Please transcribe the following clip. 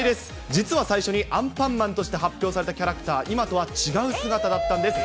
実は最初にアンパンマンとして発表されたキャラクター、今とは違う姿だったんです。